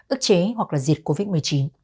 ức chế hoặc diệt covid một mươi chín